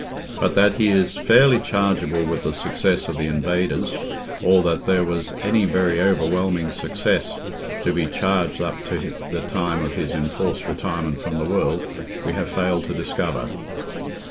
But that he is fairly chargeable with the success of the invaders—or that there was any very overwhelming success to be charged up to the time of his enforced retirement from the world—we have failed to discover.